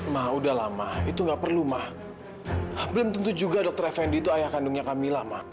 ma udah lah ma itu nggak perlu ma belum tentu juga dr effendy itu ayah kandungnya kamila ma